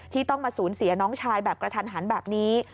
ที่ต้องมาสูญเสียน้องชายแบบกระทันหันแบบนี้